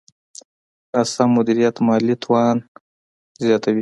ناسم مدیریت مالي تاوان زیاتوي.